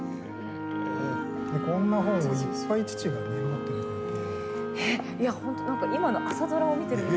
こんな本をいっぱい父が持っていてくれて。